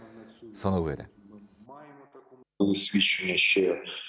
その上で。